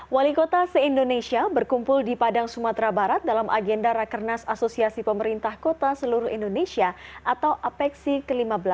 wali kota se indonesia berkumpul di padang sumatera barat dalam agenda rakernas asosiasi pemerintah kota seluruh indonesia atau apeksi ke lima belas